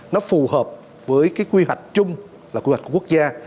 nó phù hợp với cái quy hoạch chung là quy hoạch của quốc gia